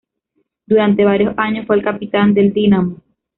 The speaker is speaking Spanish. Durante varios años fue el capitán del Dynamo.